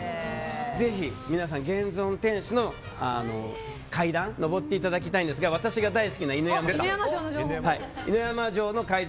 ぜひ皆さん、現存天守の階段を上っていただきたいんですが私が大好きな犬山城の階段。